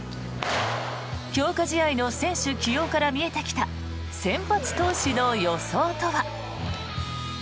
強化試合の選手起用から見えてきた先発投手の予想とは。